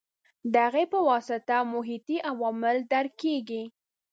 د هغې په واسطه محیطي عوامل درک کېږي.